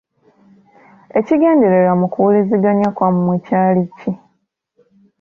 Ekigendererwa mu kuwuliziganya kwammwe kyali ki?